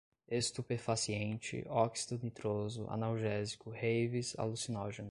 estupefaciente, óxido nitroso, analgésico, raves, alucinógeno